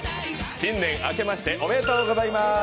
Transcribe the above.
新年明けましておめでとうございます。